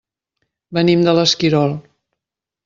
Venim de l'Esquirol.